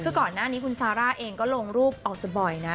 คือก่อนหน้านี้คุณซาร่าเองก็ลงรูปออกจะบ่อยนะ